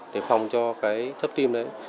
để phòng cho cái thấp tim đấy